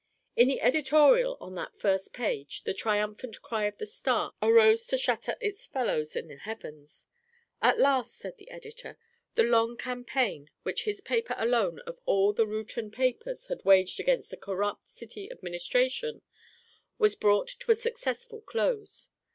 In the editorial on that first page the triumphant cry of the Star arose to shatter its fellows in the heavens. At last, said the editor, the long campaign which his paper alone of all the Reuton papers had waged against a corrupt city administration was brought to a successful close.